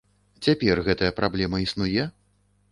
Цяпер гэтая праблема існуе?